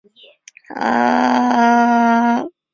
结实可靠的藉由一根卷簧提供动力。